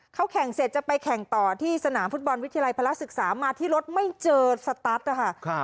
เขาแข่งเสร็จจะไปแข่งต่อที่สนามฟุตบอลวิทยาลัยพระศึกษามาที่รถไม่เจอสตัสนะคะ